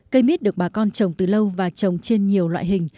cây mít được bà con trồng từ lâu và trồng trên nhiều loại hình